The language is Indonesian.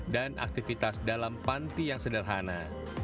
dan aktivitas dalam panti yang sederhana